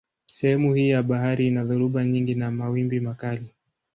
Sehemu hii ya bahari ina dhoruba nyingi na mawimbi makali.